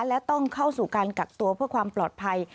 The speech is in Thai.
และต้องเข้าสู่การกักตัวเพื่อความปลอดภัย